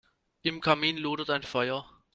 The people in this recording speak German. Im Kamin lodert ein Feuer.